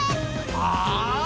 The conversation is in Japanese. ああ。